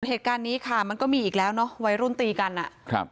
เหตุการณ์นี้ค่ะมันก็มีอีกแล้วเนอะวัยรุ่นตีกันอ่ะครับ